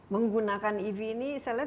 menggunakan ev ini saya lihat